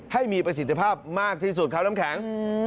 ให้มีประสิทธิภาพมากที่สุดครับน้ำแข็ง